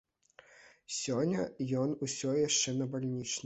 Сёння ён усё яшчэ на бальнічным.